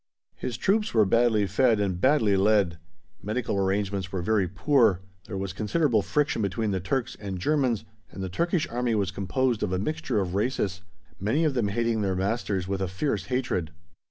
His troops were badly fed and badly led; medical arrangements were very poor; there was considerable friction between the Turks and Germans, and the Turkish Army was composed of a mixture of races, many of them hating their masters with a fierce hatred.